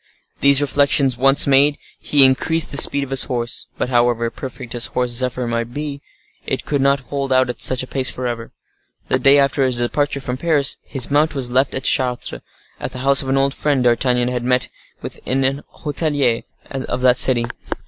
These reflections once made, he increased the speed of his horse. But, however perfect his horse Zephyr might be, it could not hold out at such a pace forever. The day after his departure from Paris, his mount was left at Chartres, at the house of an old friend D'Artagnan had met with in an hotelier of that city.